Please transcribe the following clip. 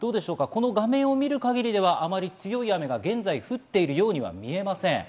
この画面を見る限り、あまり強い雨が現在、降っているようには見えません。